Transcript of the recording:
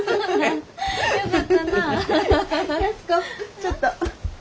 ちょっと。